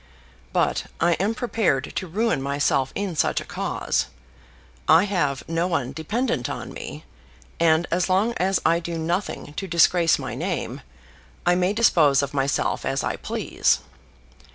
But I am prepared to ruin myself in such a cause. I have no one dependent on me; and, as long as I do nothing to disgrace my name, I may dispose of myself as I please.